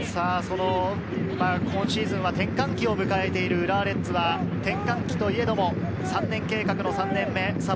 今シーズンは転換期を迎えている浦和レッズは転換期といえども３年計画の３年目。